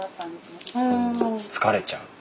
疲れちゃう？